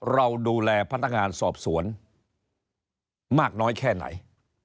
เราดูแลพนักงานสอบสวนมากน้อยแค่ไหน